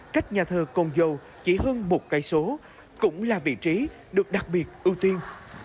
cách nhà thơ cồn dầu chỉ hơn một km cũng là vị trí được đặc biệt ưu tiên